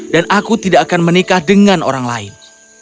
dan aku tidak akan menikah dengan orang lain